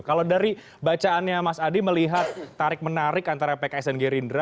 kalau dari bacaannya mas adi melihat tarik menarik antara pks dan gerindra